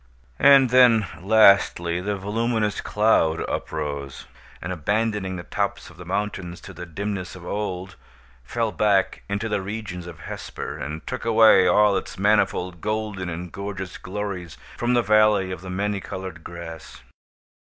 And then, lastly, the voluminous cloud uprose, and, abandoning the tops of the mountains to the dimness of old, fell back into the regions of Hesper, and took away all its manifold golden and gorgeous glories from the Valley of the Many Colored Grass.